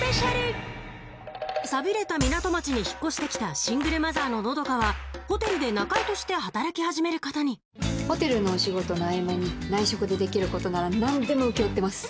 寂れた港町に引っ越して来たシングルマザーのホテルで仲居として働き始めることにホテルのお仕事の合間に内職でできることなら何でも請け負ってます。